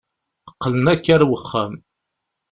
Qqlen akk ar wexxam.